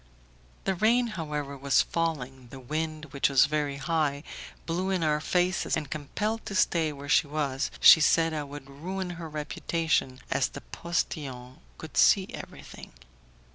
The rain, however, was falling, the wind, which was very high, blew in our faces, and, compelled to stay where she was, she said I would ruin her reputation, as the postillion could see everything.